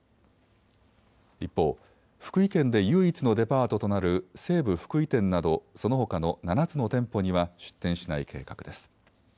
一方、福井県で唯一のデパートとなる西武福井店などそのほかの７つの店舗には出店しない計画です。